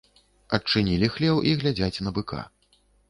Адчынілі хлеў і глядзяць на быка.